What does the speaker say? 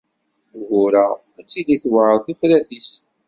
Ugur-a ad tili tewɛeṛ tifrat-is.